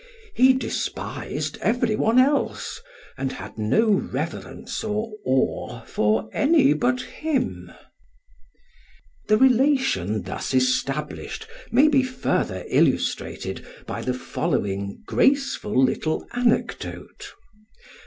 He despised every one else, and had no reverence or awe for any but him." [Footnote: Plut. Alc. ch. 4. Ed. by Clough.] The relation thus established may be further illustrated by the following graceful little anecdote.